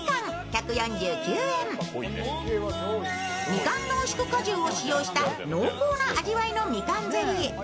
みかん濃縮果汁を使用した濃厚な味わいのみかんゼリー。